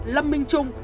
lâm minh trung